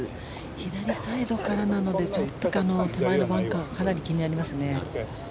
左サイドからなのでちょっと手前のバンカーがかなり気になりますね。